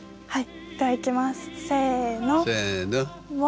はい。